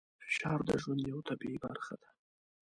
فشار د ژوند یوه طبیعي برخه ده.